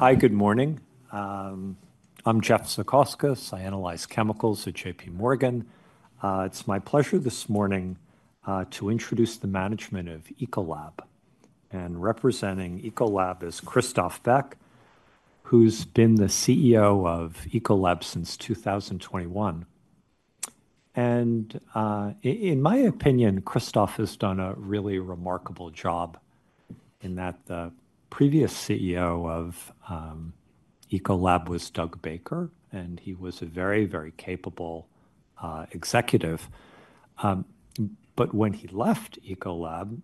Hi, good morning. I'm Jeff Zekauskas. I analyze chemicals at J.P. Morgan. It's my pleasure this morning to introduce the management of Ecolab. Representing Ecolab is Christophe Beck, who's been the CEO of Ecolab since 2021. In my opinion, Christophe has done a really remarkable job in that the previous CEO of Ecolab was Doug Baker, and he was a very, very capable executive. When he left Ecolab,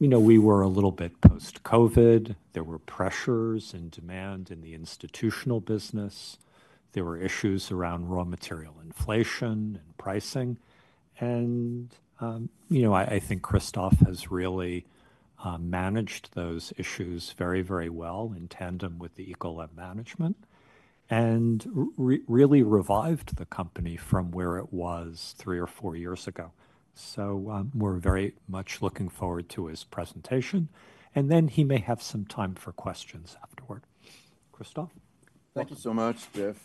you know, we were a little bit post-COVID. There were pressures and demand in the institutional business. There were issues around raw material inflation and pricing. You know, I think Christophe has really managed those issues very, very well in tandem with the Ecolab management and really revived the company from where it was three or four years ago. We are very much looking forward to his presentation. He may have some time for questions afterward. Christophe? Thank you so much, Jeff.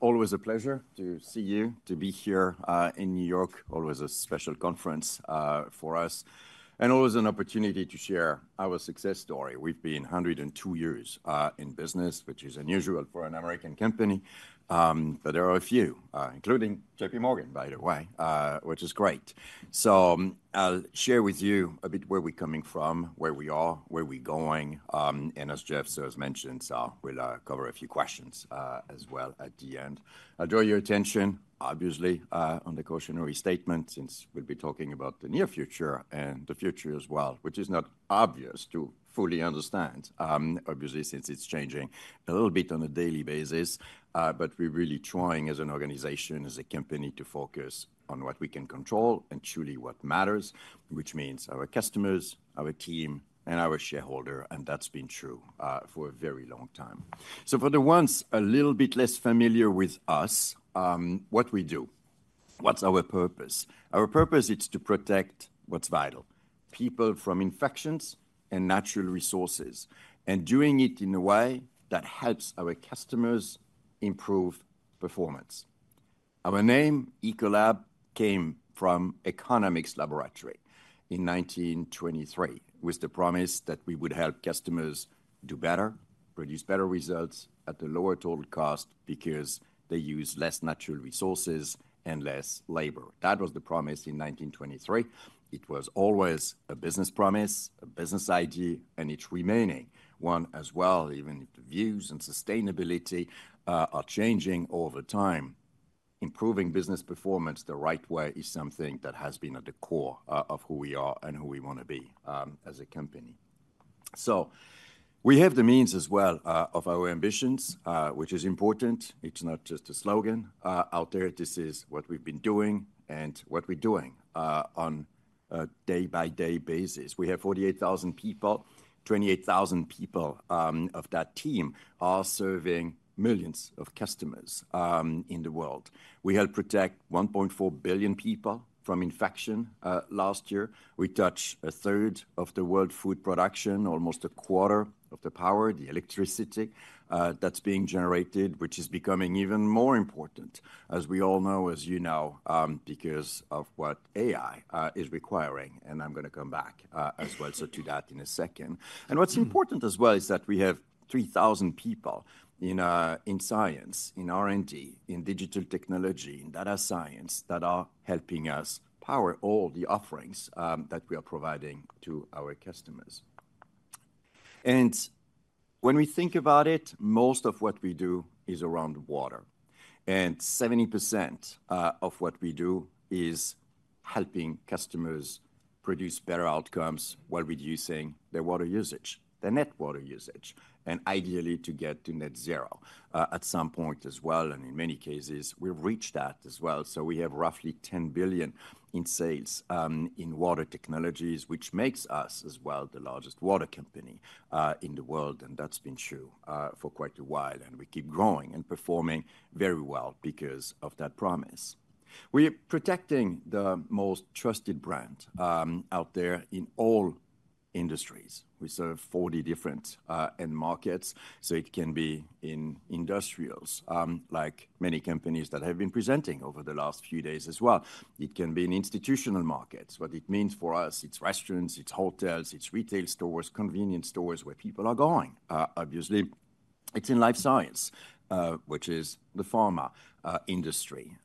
Always a pleasure to see you, to be here, in New York. Always a special conference for us, and always an opportunity to share our success story. We've been 102 years in business, which is unusual for an American company. There are a few, including J.P. Morgan, by the way, which is great. I'll share with you a bit where we're coming from, where we are, where we're going. As Jeff has mentioned, we'll cover a few questions as well at the end. I'll draw your attention, obviously, on the cautionary statement since we'll be talking about the near future and the future as well, which is not obvious to fully understand, obviously, since it's changing a little bit on a daily basis. We're really trying as an organization, as a company, to focus on what we can control and truly what matters, which means our customers, our team, and our shareholder. That's been true for a very long time. For the ones a little bit less familiar with us, what we do, what's our purpose? Our purpose is to protect what's vital: people from infections and natural resources, and doing it in a way that helps our customers improve performance. Our name, Ecolab, came from Economics Laboratory in 1923 with the promise that we would help customers do better, produce better results at a lower total cost because they use less natural resources and less labor. That was the promise in 1923. It was always a business promise, a business idea, and it's remaining one as well, even if the views and sustainability are changing all the time. Improving business performance the right way is something that has been at the core of who we are and who we want to be as a company. We have the means as well of our ambitions, which is important. It's not just a slogan out there, this is what we've been doing and what we're doing on a day-by-day basis. We have 48,000 people, 28,000 people of that team are serving millions of customers in the world. We help protect 1.4 billion people from infection last year. We touch a third of the world's food production, almost a quarter of the power, the electricity, that's being generated, which is becoming even more important, as we all know, as you know, because of what AI is requiring. I'm going to come back as well to that in a second. What's important as well is that we have 3,000 people in science, in R&D, in digital technology, in data science that are helping us power all the offerings that we are providing to our customers. When we think about it, most of what we do is around water. 70% of what we do is helping customers produce better outcomes while reducing their water usage, their net water usage, and ideally to get to net zero at some point as well. In many cases, we've reached that as well. We have roughly $10 billion in sales in water technologies, which makes us the largest water company in the world. That has been true for quite a while. We keep growing and performing very well because of that promise. We are protecting the most trusted brand out there in all industries. We serve 40 different end markets. It can be in industrials, like many companies that have been presenting over the last few days as well. It can be in institutional markets. What it means for us, it's restaurants, it's hotels, it's retail stores, convenience stores where people are going. Obviously, it's in life science, which is the pharma industry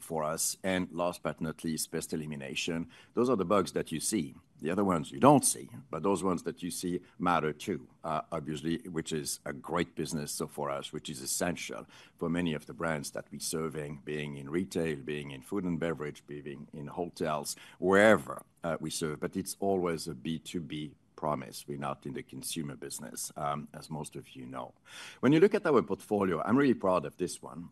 for us. Last but not least, pest elimination. Those are the bugs that you see. The other ones you don't see, but those ones that you see matter too, obviously, which is a great business for us, which is essential for many of the brands that we are serving, being in retail, being in food and beverage, being in hotels, wherever we serve. It's always a B2B promise. We're not in the consumer business, as most of you know. When you look at our portfolio, I'm really proud of this one,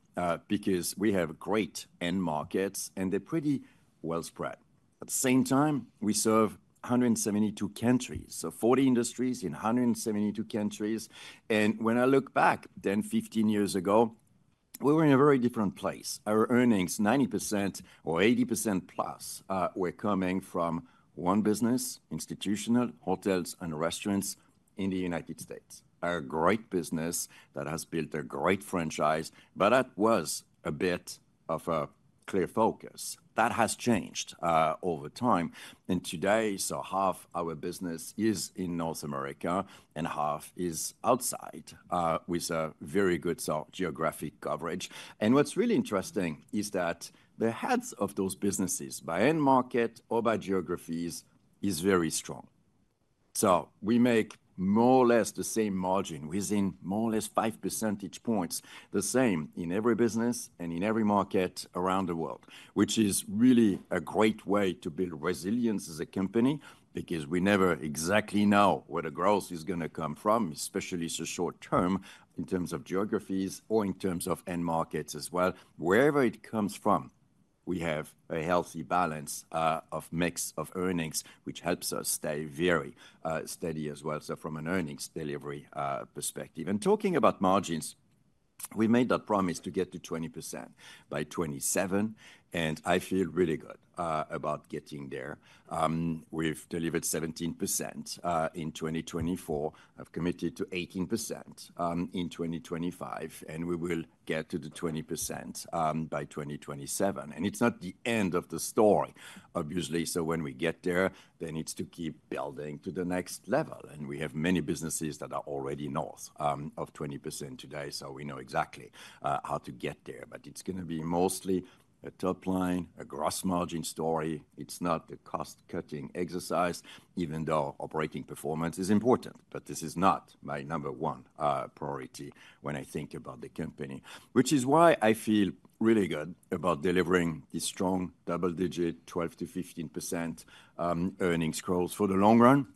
because we have great end markets and they're pretty well spread. At the same time, we serve 172 countries, so 40 industries in 172 countries. When I look back, then 15 years ago, we were in a very different place. Our earnings, 90% or 80%+, were coming from one business, institutional hotels and restaurants in the United States, our great business that has built a great franchise, but that was a bit of a clear focus. That has changed, over time. Today, half our business is in North America and half is outside, with a very good geographic coverage. What's really interesting is that the heads of those businesses, by end market or by geographies, is very strong. We make more or less the same margin within more or less 5 percentage points, the same in every business and in every market around the world, which is really a great way to build resilience as a company because we never exactly know where the growth is going to come from, especially so short term in terms of geographies or in terms of end markets as well. Wherever it comes from, we have a healthy balance, a mix of earnings, which helps us stay very steady as well from an earnings delivery perspective. Talking about margins, we made that promise to get to 20% by '27. I feel really good about getting there. We've delivered 17% in 2024. I've committed to 18% in 2025, and we will get to the 20% by 2027. It's not the end of the story, obviously. When we get there, then it's to keep building to the next level. We have many businesses that are already north of 20% today. We know exactly how to get there. It's going to be mostly a top line, a gross margin story. It's not a cost-cutting exercise, even though operating performance is important. This is not my number one priority when I think about the company, which is why I feel really good about delivering these strong double-digit 12%-15% earnings growth for the long run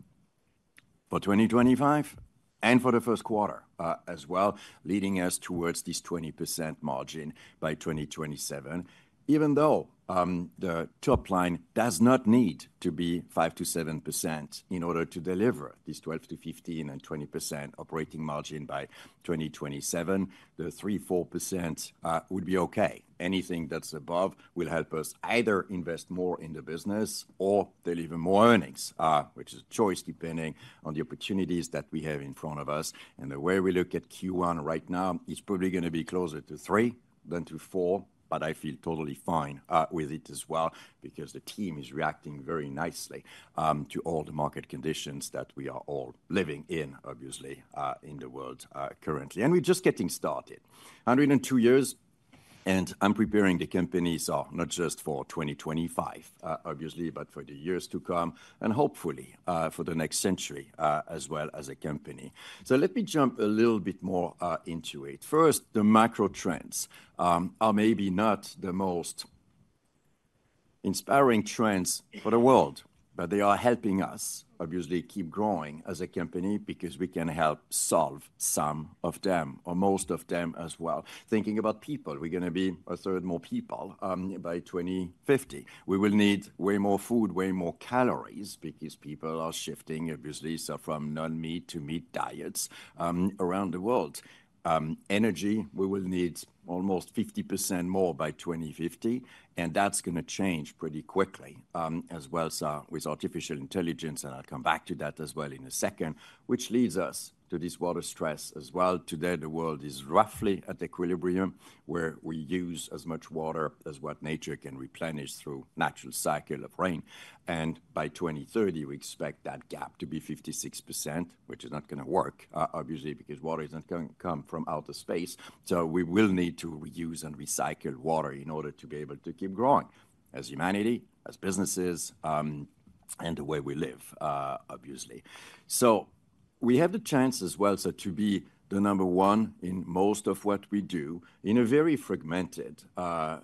for 2025 and for the first quarter as well, leading us towards this 20% margin by 2027. Even though the top line does not need to be 5%-7% in order to deliver these 12%-15% and 20% operating margin by 2027, the 3%, 4% would be okay. Anything that's above will help us either invest more in the business or deliver more earnings, which is a choice depending on the opportunities that we have in front of us. The way we look at Q1 right now, it's probably going to be closer to three than to four, but I feel totally fine with it as well because the team is reacting very nicely to all the market conditions that we are all living in, obviously, in the world, currently. We are just getting started. 102 years, and I'm preparing the companies are not just for 2025, obviously, but for the years to come and hopefully, for the next century, as well as a company. Let me jump a little bit more into it. First, the macro trends are maybe not the most inspiring trends for the world, but they are helping us, obviously, keep growing as a company because we can help solve some of them or most of them as well. Thinking about people, we're going to be a third more people by 2050. We will need way more food, way more calories because people are shifting, obviously, so from non-meat to meat diets, around the world. Energy, we will need almost 50% more by 2050. That's going to change pretty quickly, as well as with artificial intelligence. I'll come back to that as well in a second, which leads us to this water stress as well. Today, the world is roughly at equilibrium where we use as much water as what nature can replenish through natural cycle of rain. By 2030, we expect that gap to be 56%, which is not going to work, obviously, because water is not going to come from outer space. We will need to reuse and recycle water in order to be able to keep growing as humanity, as businesses, and the way we live, obviously. We have the chance as well to be the number one in most of what we do in a very fragmented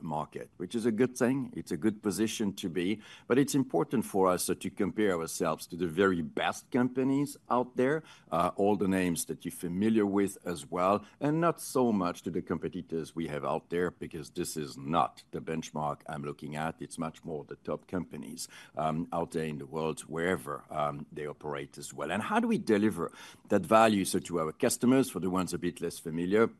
market, which is a good thing. It's a good position to be, but it's important for us to compare ourselves to the very best companies out there, all the names that you're familiar with as well, and not so much to the competitors we have out there because this is not the benchmark I'm looking at. It's much more the top companies out there in the world, wherever they operate as well. How do we deliver that value? To our customers, for the ones a bit less familiar,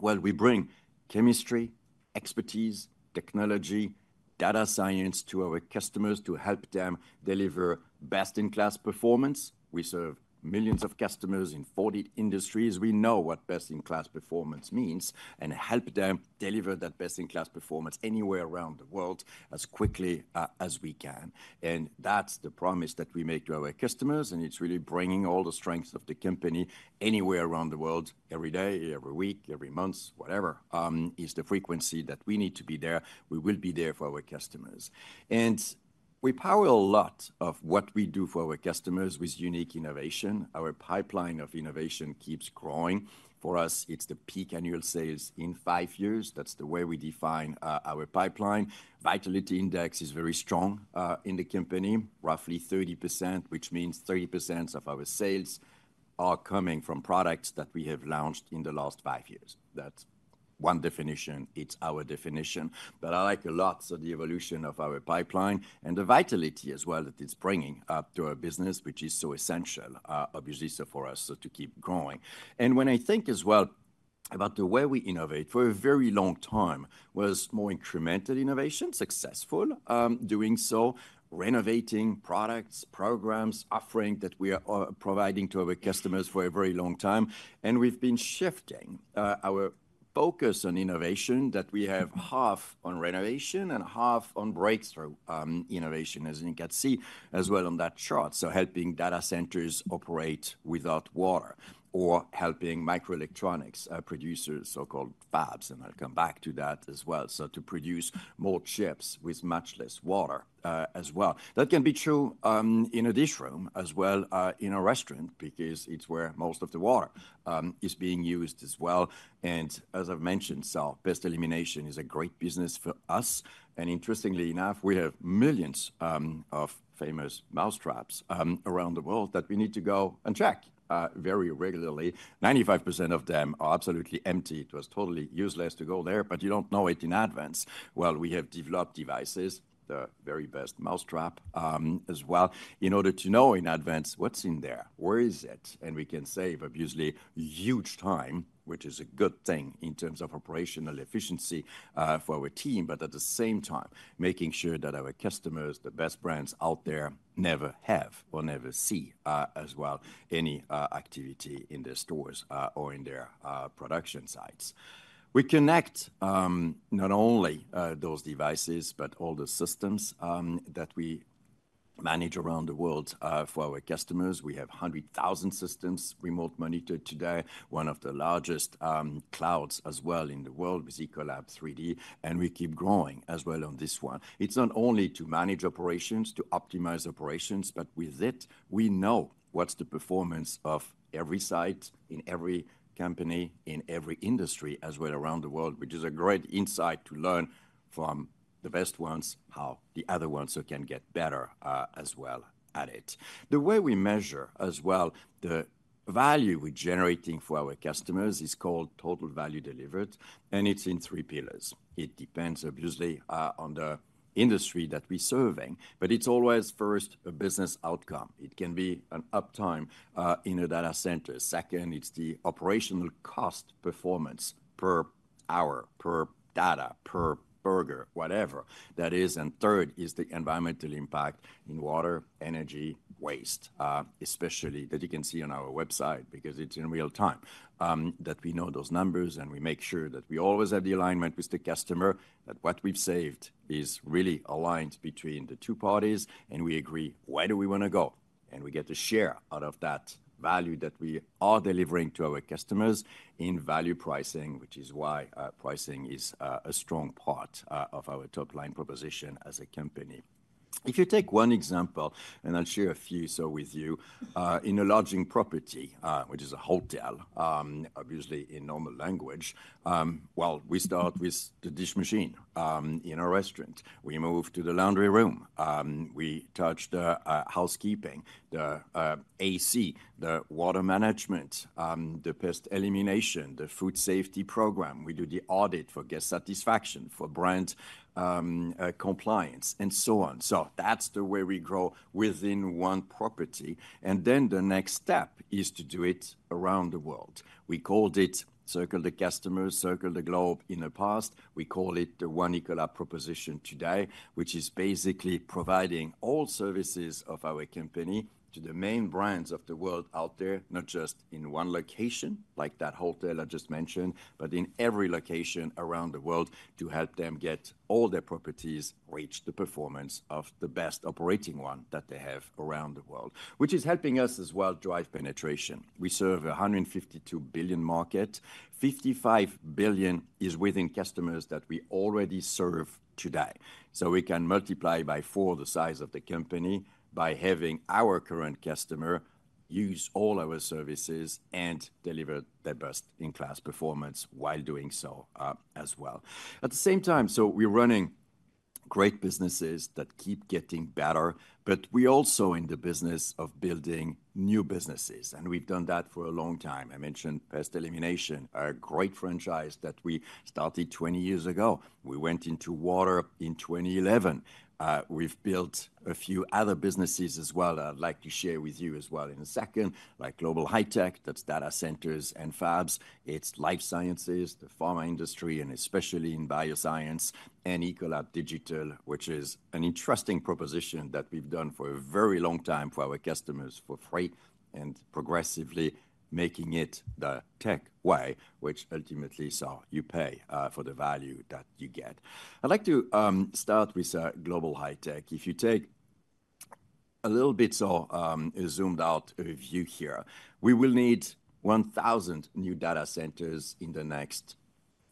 we bring chemistry, expertise, technology, data science to our customers to help them deliver best-in-class performance. We serve millions of customers in 40 industries. We know what best-in-class performance means and help them deliver that best-in-class performance anywhere around the world as quickly as we can. That is the promise that we make to our customers. It is really bringing all the strengths of the company anywhere around the world every day, every week, every month, whatever is the frequency that we need to be there. We will be there for our customers. We power a lot of what we do for our customers with unique innovation. Our pipeline of innovation keeps growing. For us, it is the peak annual sales in five years. That is the way we define our pipeline. Vitality index is very strong, in the company, roughly 30%, which means 30% of our sales are coming from products that we have launched in the last five years. That's one definition. It's our definition, but I like a lot of the evolution of our pipeline and the vitality as well that it's bringing up to our business, which is so essential, obviously, for us to keep growing. When I think as well about the way we innovate for a very long time, it was more incremental innovation, successful, doing so, renovating products, programs, offering that we are providing to our customers for a very long time. We've been shifting our focus on innovation that we have half on renovation and half on breakthrough innovation, as you can see as well on that chart. Helping data centers operate without water or helping microelectronics producers, so-called fabs. I'll come back to that as well. To produce more chips with much less water as well, that can be true in a dish room as well, in a restaurant because it's where most of the water is being used as well. As I've mentioned, pest elimination is a great business for us. Interestingly enough, we have millions of famous mousetraps around the world that we need to go and check very regularly. 95% of them are absolutely empty. It was totally useless to go there, but you don't know it in advance. We have developed devices, the very best mousetrap as well, in order to know in advance what's in there, where is it. We can save obviously huge time, which is a good thing in terms of operational efficiency for our team, but at the same time, making sure that our customers, the best brands out there, never have or never see, as well, any activity in their stores or in their production sites. We connect not only those devices, but all the systems that we manage around the world for our customers. We have 100,000 systems remote monitored today, one of the largest clouds as well in the world with Ecolab3D. We keep growing as well on this one. It's not only to manage operations, to optimize operations, but with it, we know what's the performance of every site in every company, in every industry as well around the world, which is a great insight to learn from the best ones how the other ones can get better, as well at it. The way we measure as well the value we're generating for our customers is called total value delivered. It's in three pillars. It depends obviously on the industry that we're serving, but it's always first a business outcome. It can be an uptime in a data center. Second, it's the operational cost performance per hour, per data, per burger, whatever that is. Third is the environmental impact in water, energy, waste, especially that you can see on our website because it's in real time, that we know those numbers and we make sure that we always have the alignment with the customer, that what we've saved is really aligned between the two parties and we agree where do we want to go. We get to share out of that value that we are delivering to our customers in value pricing, which is why pricing is a strong part of our top line proposition as a company. If you take one example, and I'll share a few with you, in a lodging property, which is a hotel, obviously in normal language, we start with the dish machine, in a restaurant. We move to the laundry room. We touch the housekeeping, the AC, the water management, the pest elimination, the food safety program. We do the audit for guest satisfaction, for brand compliance and so on. That is the way we grow within one property. The next step is to do it around the world. We called it Circle the Customers, Circle the Globe in the past. We call it the One Ecolab proposition today, which is basically providing all services of our company to the main brands of the world out there, not just in one location like that hotel I just mentioned, but in every location around the world to help them get all their properties reach the performance of the best operating one that they have around the world, which is helping us as well drive penetration. We serve a $152 billion market. $55 billion is within customers that we already serve today. We can multiply by four the size of the company by having our current customer use all our services and deliver the best in class performance while doing so, as well. At the same time, we're running great businesses that keep getting better, but we also are in the business of building new businesses. We've done that for a long time. I mentioned pest elimination, a great franchise that we started 20 years ago. We went into water in 2011. We've built a few other businesses as well that I'd like to share with you in a second, like Global High-Tech. That's data centers and fabs. It's life sciences, the pharma industry, and especially in bioscience and Ecolab Digital, which is an interesting proposition that we've done for a very long time for our customers for free and progressively making it the tech way, which ultimately so you pay, for the value that you get. I'd like to start with Global High-Tech. If you take a little bit or, zoomed out a view here, we will need 1,000 new data centers in the next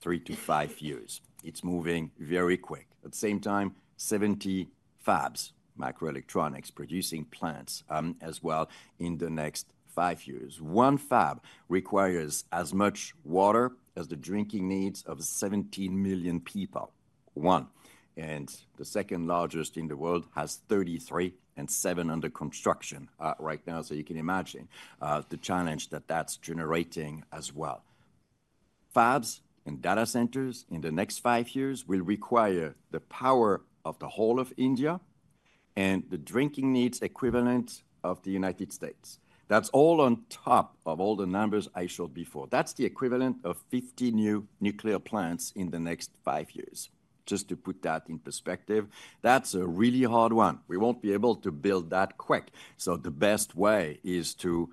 three to five years. It's moving very quick. At the same time, 70 fabs, microelectronics producing plants, as well in the next five years. One fab requires as much water as the drinking needs of 17 million people. One. The second largest in the world has 33 and seven under construction right now. You can imagine the challenge that that's generating as well. Fabs and data centers in the next five years will require the power of the whole of India and the drinking needs equivalent of the United States. That is all on top of all the numbers I showed before. That is the equivalent of 50 new nuclear plants in the next five years. Just to put that in perspective, that is a really hard one. We will not be able to build that quick. The best way is to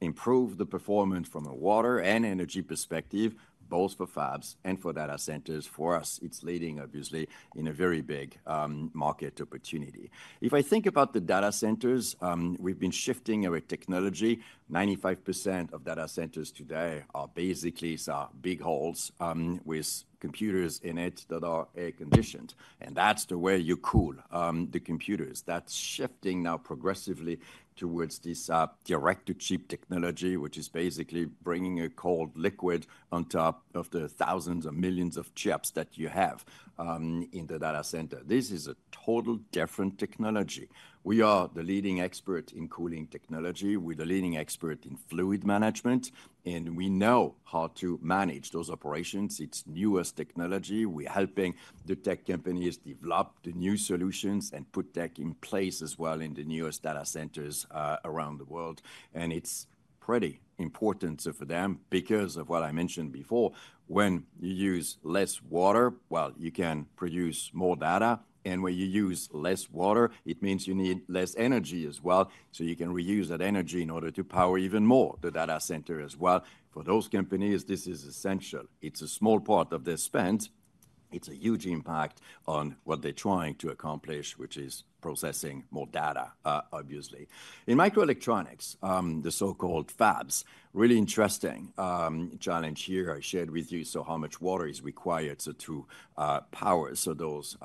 improve the performance from a water and energy perspective, both for fabs and for data centers. For us, it is leading obviously in a very big, market opportunity. If I think about the data centers, we have been shifting our technology. 95% of data centers today are basically our big holes, with computers in it that are air-conditioned. That is the way you cool the computers. That's shifting now progressively towards this direct-to-chip technology, which is basically bringing a cold liquid on top of the thousands of millions of chips that you have in the data center. This is a total different technology. We are the leading expert in cooling technology. We're the leading expert in fluid management, and we know how to manage those operations. It's newest technology. We're helping the tech companies develop the new solutions and put tech in place as well in the newest data centers around the world. It is pretty important for them because of what I mentioned before. When you use less water, well you can produce more data. When you use less water, it means you need less energy as well. You can reuse that energy in order to power even more the data center as well. For those companies, this is essential. It's a small part of their spend. It's a huge impact on what they're trying to accomplish, which is processing more data, obviously. In microelectronics, the so-called fabs, really interesting challenge here I shared with you. How much water is required to power those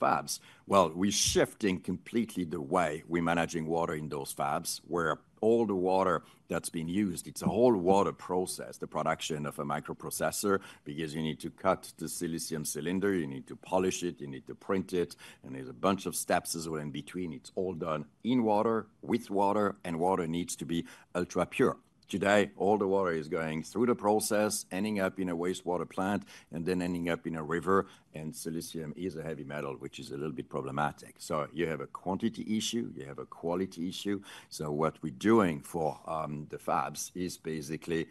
fabs? We're shifting completely the way we're managing water in those fabs where all the water that's been used, it's a whole water process, the production of a microprocessor because you need to cut the silicon cylinder, you need to polish it, you need to print it, and there's a bunch of steps as well in between. It's all done in water, with water, and water needs to be ultra pure. Today, all the water is going through the process, ending up in a wastewater plant and then ending up in a river. Silicon is a heavy metal, which is a little bit problematic. You have a quantity issue, you have a quality issue. What we're doing for the fabs is basically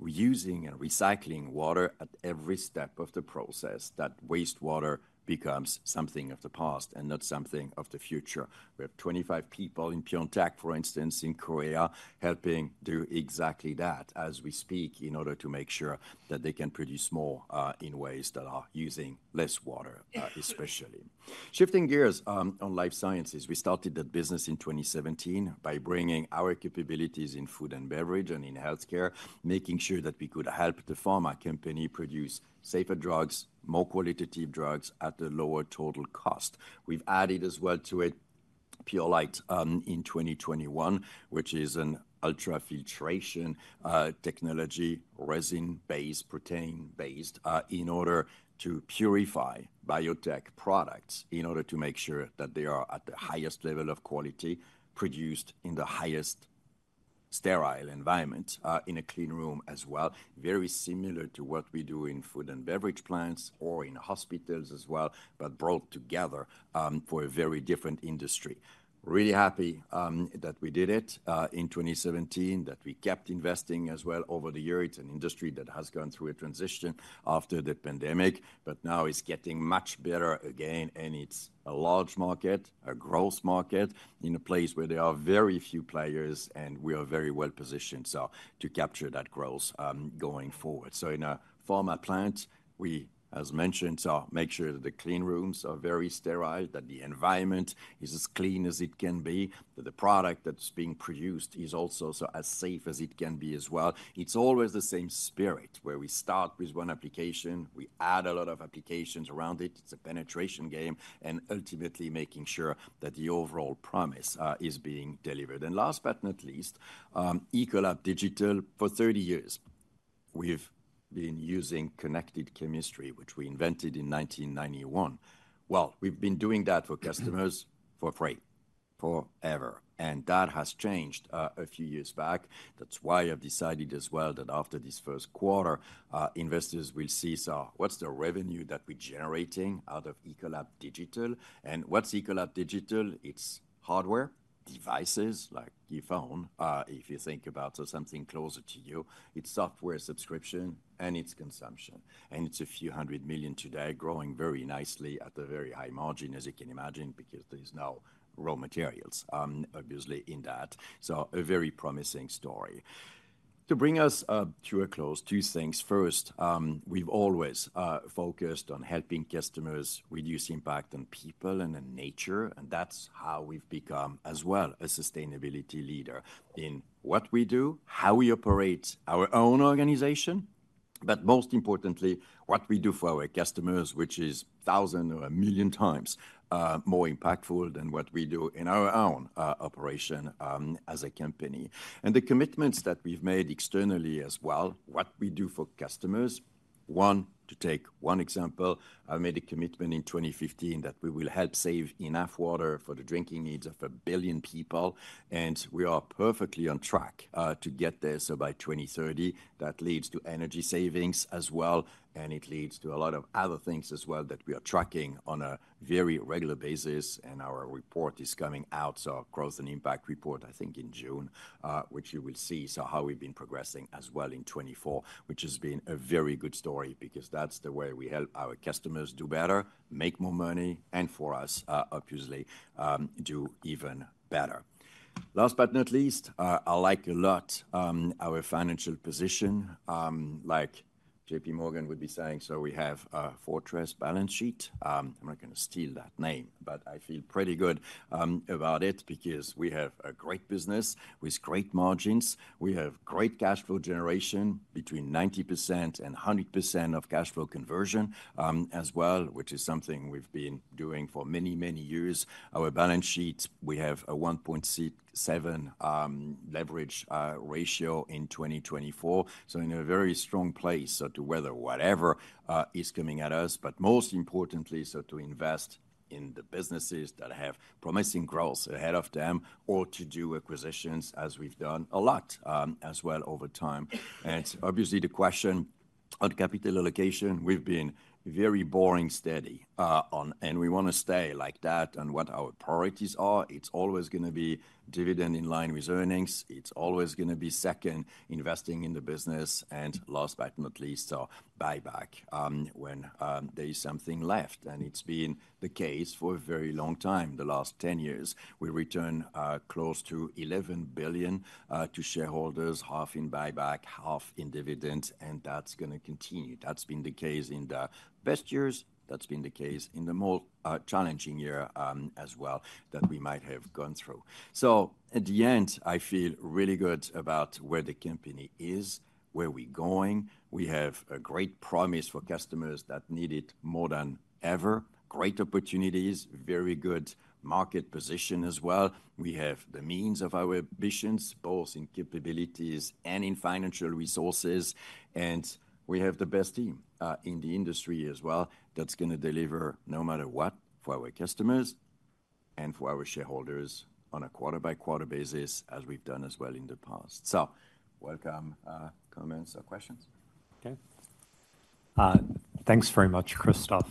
reusing and recycling water at every step of the process so that wastewater becomes something of the past and not something of the future. We have 25 people in Pyeongtaek, for instance, in Korea helping do exactly that as we speak in order to make sure that they can produce more in ways that are using less water, especially shifting gears on life sciences. We started that business in 2017 by bringing our capabilities in food and beverage and in healthcare, making sure that we could help the pharma company produce safer drugs, more qualitative drugs at a lower total cost. We've added as well to it Purolite, in 2021, which is an ultra-filtration technology, resin-based, protein-based, in order to purify biotech products in order to make sure that they are at the highest level of quality produced in the highest sterile environment, in a clean room as well. Very similar to what we do in food and beverage plants or in hospitals as well, but brought together, for a very different industry. Really happy that we did it, in 2017, that we kept investing as well over the year. It's an industry that has gone through a transition after the pandemic, but now it's getting much better again. It's a large market, a growth market in a place where there are very few players and we are very well positioned to capture that growth, going forward. In a pharma plant, we, as mentioned, make sure that the clean rooms are very sterile, that the environment is as clean as it can be, that the product that's being produced is also as safe as it can be as well. It's always the same spirit where we start with one application, we add a lot of applications around it. It's a penetration game and ultimately making sure that the overall promise is being delivered. Last but not least, Ecolab Digital, for 30 years, we've been using connected chemistry, which we invented in 1991. We've been doing that for customers for free, forever. That has changed a few years back. That's why I've decided as well that after this first quarter, investors will see what's the revenue that we're generating out of Ecolab Digital and what's Ecolab Digital. It's hardware devices like your phone. If you think about something closer to you, it's software subscription and it's consumption. And it's a few hundred million today growing very nicely at a very high margin, as you can imagine, because there's no raw materials, obviously in that. A very promising story to bring us, to a close. Two things. First, we've always focused on helping customers reduce impact on people and on nature. That's how we've become as well a sustainability leader in what we do, how we operate our own organization. Most importantly, what we do for our customers, which is a thousand or a million times more impactful than what we do in our own operation, as a company. The commitments that we've made externally as well, what we do for customers, one to take one example, I made a commitment in 2015 that we will help save enough water for the drinking needs of a billion people. We are perfectly on track to get there. By 2030, that leads to energy savings as well. It leads to a lot of other things as well that we are tracking on a very regular basis. Our report is coming out, Growth and Impact Report, I think in June, which you will see. How we've been progressing as well in 2024, which has been a very good story because that's the way we help our customers do better, make more money, and for us, obviously, do even better. Last but not least, I like a lot, our financial position, like J.P. Morgan would be saying. We have a fortress balance sheet. I'm not going to steal that name, but I feel pretty good, about it because we have a great business with great margins. We have great cash flow generation between 90% and 100% of cash flow conversion, as well, which is something we've been doing for many, many years. Our balance sheet, we have a 1.7 leverage ratio in 2024. In a very strong place, to weather whatever is coming at us. Most importantly, to invest in the businesses that have promising growth ahead of them or to do acquisitions as we've done a lot, as well over time. Obviously the question on capital allocation, we've been very boring steady, on, and we want to stay like that. What our priorities are, it's always going to be dividend in line with earnings. It's always going to be second investing in the business. Last but not least, buyback, when there is something left. It's been the case for a very long time. The last 10 years, we return close to $11 billion to shareholders, half in buyback, half in dividends. That's going to continue. That's been the case in the best years. That's been the case in the most challenging year as well that we might have gone through. At the end, I feel really good about where the company is, where we're going. We have a great promise for customers that need it more than ever. Great opportunities, very good market position as well. We have the means of our ambitions, both in capabilities and in financial resources. We have the best team in the industry as well that's going to deliver no matter what for our customers and for our shareholders on a quarter-by-quarter basis, as we've done as well in the past. Welcome, comments or questions. Okay. Thanks very much, Christophe.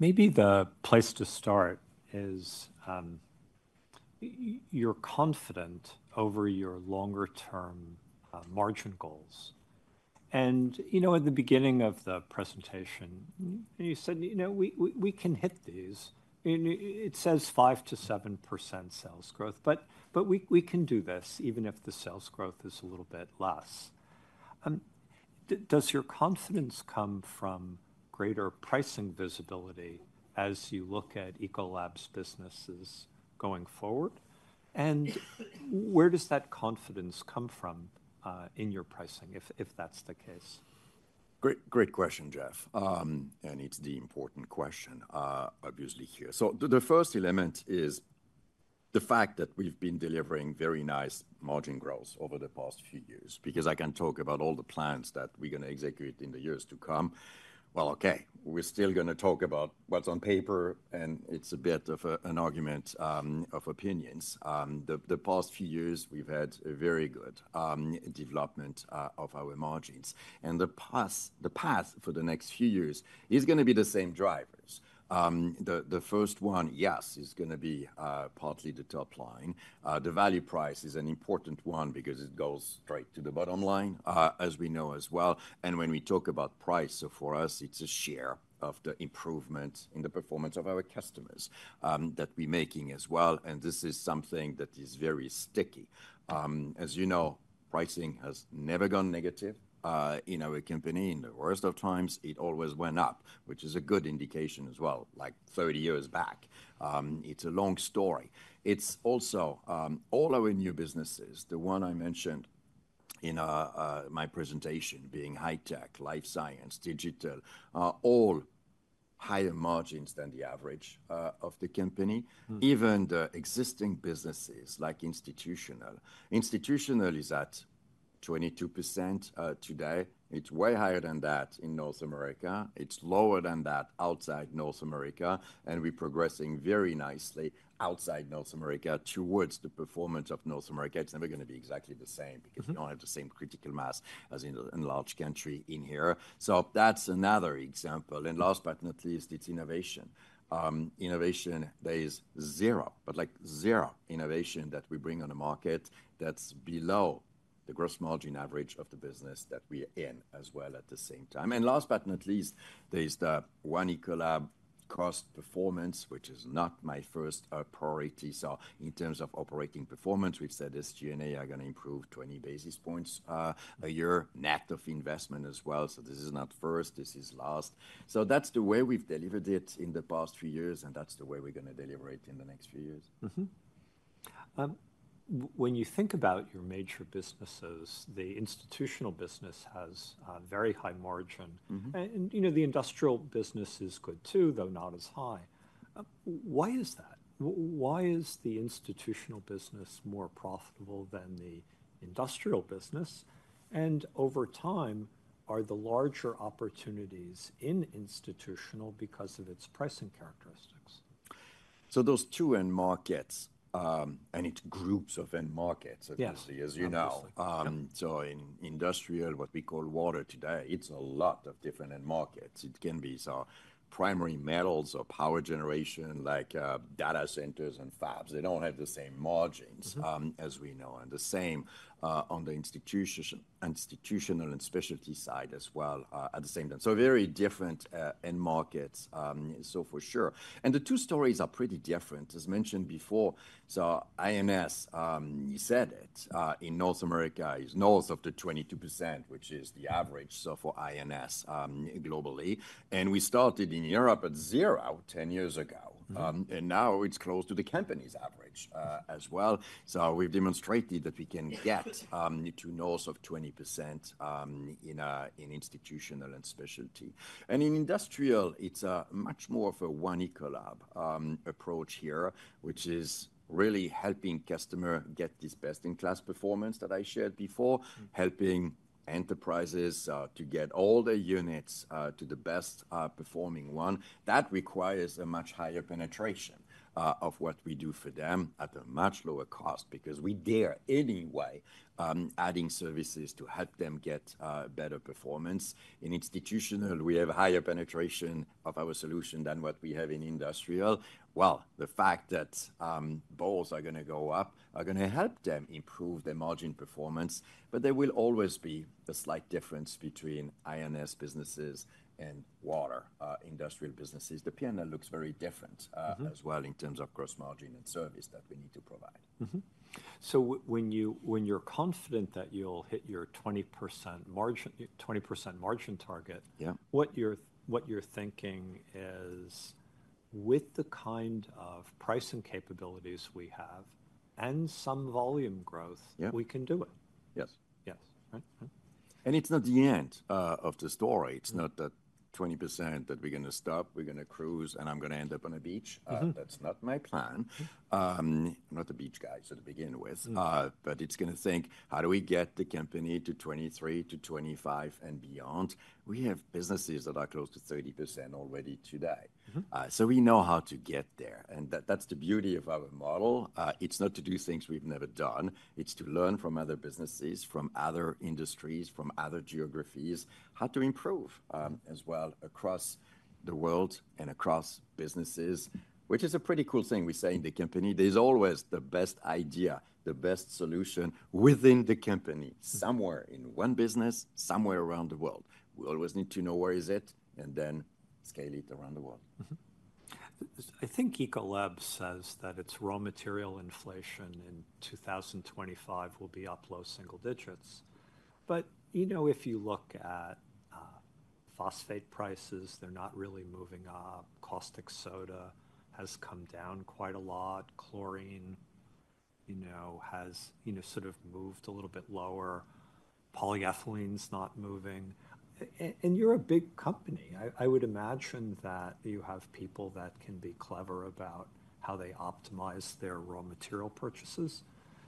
Maybe the place to start is, you're confident over your longer term margin goals. You know, at the beginning of the presentation, you said, you know, we, we, we can hit these. It says 5-7% sales growth, but we can do this even if the sales growth is a little bit less. Does your confidence come from greater pricing visibility as you look at Ecolab's businesses going forward? Where does that confidence come from in your pricing if that's the case? Great, great question, Jeff. It's the important question, obviously here. The first element is the fact that we've been delivering very nice margin growth over the past few years because I can talk about all the plans that we're going to execute in the years to come. Okay, we're still going to talk about what's on paper, and it's a bit of an argument, of opinions. The past few years, we've had a very good development of our margins. The path for the next few years is going to be the same drivers. The first one, yes, is going to be partly the top line. The value price is an important one because it goes straight to the bottom line, as we know as well. When we talk about price, for us, it's a share of the improvement in the performance of our customers, that we're making as well. This is something that is very sticky. As you know, pricing has never gone negative in our company. In the worst of times, it always went up, which is a good indication as well, like 30 years back. It's a long story. It's also all our new businesses, the one I mentioned in my presentation being high tech, life science, digital, all higher margins than the average of the company. Even the existing businesses, like institutional, institutional is at 22% today. It's way higher than that in North America. It's lower than that outside North America. We are progressing very nicely outside North America towards the performance of North America. It's never going to be exactly the same because we do not have the same critical mass as in a large country in here. That's another example. Last but not least, it's innovation. Innovation, there is zero, but like zero innovation that we bring on the market that's below the gross margin average of the business that we're in as well at the same time. Last but not least, there's the One Ecolab cost performance, which is not my first priority. In terms of operating performance, we've said SG&A are going to improve 20 basis points a year, net of investment as well. This is not first, this is last. That's the way we've delivered it in the past few years. That's the way we're going to deliver it in the next few years. Mm-hmm. When you think about your major businesses, the institutional business has very high margin. You know, the industrial business is good too, though not as high. Why is that? Why is the institutional business more profitable than the industrial business? Over time, are the larger opportunities in institutional because of its pricing characteristics? Those two end markets, and it's groups of end markets, obviously, as you know. In industrial, what we call water today, it's a lot of different end markets. It can be primary metals or power generation, like data centers and fabs. They don't have the same margins, as we know, and the same on the institutional and specialty side as well, at the same time. Very different end markets, for sure. The two stories are pretty different, as mentioned before. INS, you said it, in North America is north of 22%, which is the average. For INS, globally, we started in Europe at zero 10 years ago, and now it's close to the company's average as well. We have demonstrated that we can get to north of 20% in institutional and specialty. In industrial, it is much more of a One Ecolab approach here, which is really helping customers get this best-in-class performance that I shared before, helping enterprises to get all their units to the best performing one. That requires a much higher penetration of what we do for them at a much lower cost because we are anyway adding services to help them get better performance. In institutional, we have a higher penetration of our solution than what we have in Industrial. The fact that volumes are going to go up is going to help them improve their margin performance, but there will always be a slight difference between INS businesses and water industrial businesses. The P&L looks very different, as well in terms of gross margin and service that we need to provide. Mm-hmm. So when you, when you're confident that you'll hit your 20% margin, 20% margin target, what you're, what you're thinking is with the kind of pricing capabilities we have and some volume growth, we can do it. Yes. Yes. Right. It's not the end of the story. It's not that 20% that we're going to stop, we're going to cruise and I'm going to end up on a beach. That's not my plan. I'm not a beach guy to begin with, but it's going to think, how do we get the company to 23-25% and beyond? We have businesses that are close to 30% already today. We know how to get there. That's the beauty of our model. It's not to do things we've never done. It's to learn from other businesses, from other industries, from other geographies, how to improve, as well across the world and across businesses, which is a pretty cool thing. We say in the company, there's always the best idea, the best solution within the company somewhere in one business, somewhere around the world. We always need to know where is it and then scale it around the world. Mm-hmm. I think Ecolab says that its raw material inflation in 2025 will be up low single digits. But you know, if you look at phosphate prices, they're not really moving up. Caustic soda has come down quite a lot. Chlorine, you know, has, you know, sort of moved a little bit lower. Polyethylene's not moving. And you're a big company. I would imagine that you have people that can be clever about how they optimize their raw material purchases.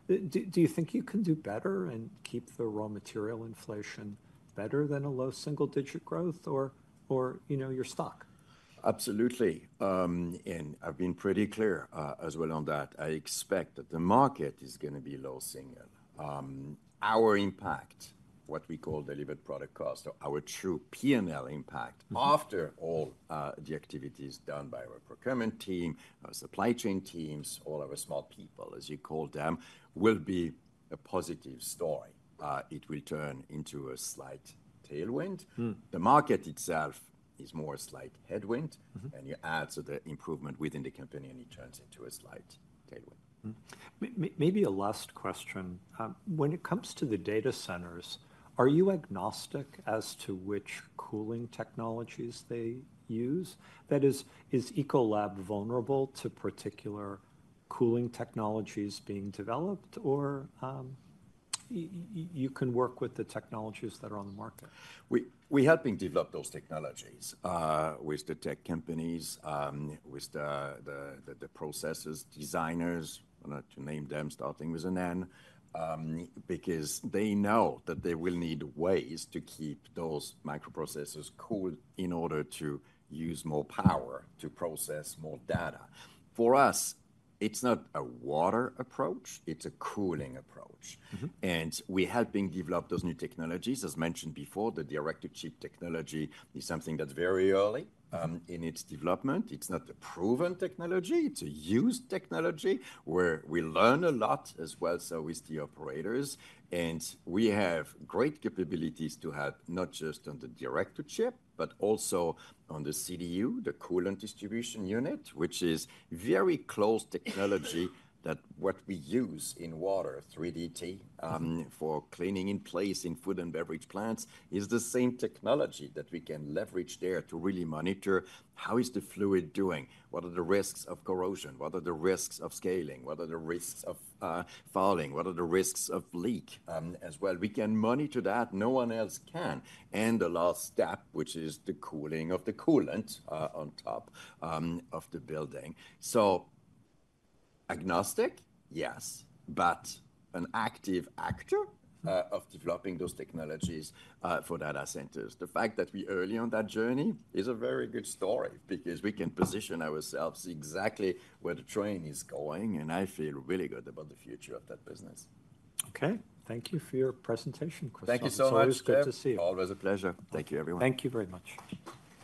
Do you think you can do better and keep the raw material inflation better than a low single digit growth or, or, you know, you're stuck? Absolutely. I have been pretty clear, as well on that. I expect that the market is going to be low single. Our impact, what we call delivered product cost, or our true P&L impact after all the activities done by our procurement team, our supply chain teams, all our smart people, as you call them, will be a positive story. It will turn into a slight tailwind. The market itself is more a slight headwind. You add to the improvement within the company and it turns into a slight tailwind. Maybe a last question. When it comes to the data centers, are you agnostic as to which cooling technologies they use? That is, is Ecolab vulnerable to particular cooling technologies being developed or can you work with the technologies that are on the market? We have been developing those technologies with the tech companies, with the process designers, not to name them, starting with a name, because they know that they will need ways to keep those microprocessors cool in order to use more power to process more data. For us, it's not a water approach, it's a cooling approach. We have been developing those new technologies. As mentioned before, the direct-to-chip technology is something that's very early in its development. It's not a proven technology, it's a used technology where we learn a lot as well. With the operators, and we have great capabilities to help not just on the direct-to-chip, but also on the CDU, the coolant distribution unit, which is very closed technology that what we use in water, 3D, for cleaning in place in food and beverage plants is the same technology that we can leverage there to really monitor how is the fluid doing, what are the risks of corrosion, what are the risks of scaling, what are the risks of fouling, what are the risks of leak, as well. We can monitor that, no one else can. The last step, which is the cooling of the coolant, on top of the building. Agnostic, yes, but an active actor of developing those technologies for data centers. The fact that we early on that journey is a very good story because we can position ourselves exactly where the train is going. I feel really good about the future of that business. Okay. Thank you for your presentation, Christophe. Thank you so much. Good to see you. Always a pleasure. Thank you, everyone. Thank you very much.